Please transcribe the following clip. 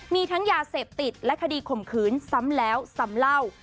มีทั้งยาเสพติดและคดีข่มขืนซ้ำแล้วซ้ำเล่า